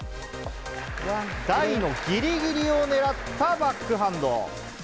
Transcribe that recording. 台のぎりぎりを狙ったバックハンド。